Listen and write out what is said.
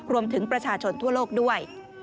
รวมถึงประชาชนทั่วโลกด้วย